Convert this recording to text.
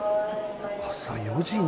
朝４時に。